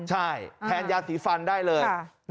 ใช่แทนยาสีฟันได้เลย